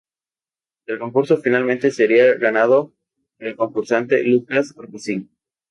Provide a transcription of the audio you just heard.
El concurso finalmente sería ganado por el concursante Lukas Rossi.